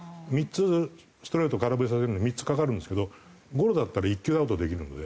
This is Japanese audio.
ストレートを空振りさせるのに３つかかるんですけどゴロだったら１球でアウトにできるので。